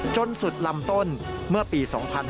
จนสุดลำต้นเมื่อปี๒๕๕๙